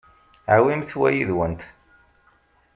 Awimt wa yid-went.